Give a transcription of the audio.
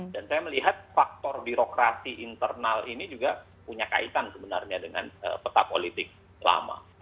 dan saya melihat faktor birokrasi internal ini juga punya kaitan sebenarnya dengan peta politik lama